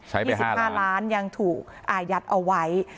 ๒๕ล้านยังถูกอายัดเอาไว้